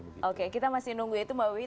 oke kita masih nunggu itu mbak wiwi